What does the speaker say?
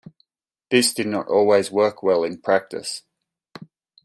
This did not always work well in practice.